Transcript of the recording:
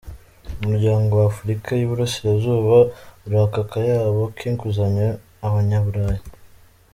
Umuryango w’Afurika y’i Burasirazuba uraka akayabo k’inguzanyo Abanyaburayi